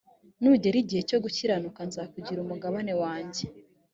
nugera igihe cyo gukiranuka nzakugira umugabane wanjye